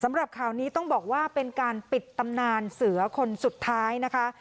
สำหรับข่าวนี้ต้องบอกว่าเป็นการปิดตำนานเสือคนสุดท้ายนะคะ